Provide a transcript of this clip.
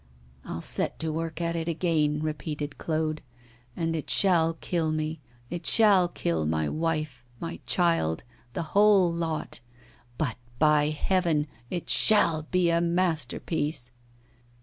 'I'll set to work at it again,' repeated Claude, 'and it shall kill me, it shall kill my wife, my child, the whole lot; but, by heaven, it shall be a masterpiece!